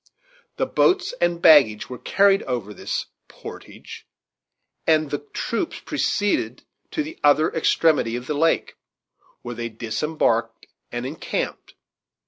The boats and baggage were carried over this "portage," and the troops proceeded to the other extremity of the lake, where they disembarked and encamped.